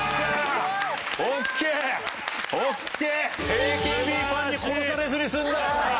ＡＫＢファンに殺されずに済んだ。